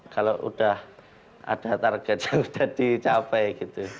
kalau udah ada target yang sudah dicapai gitu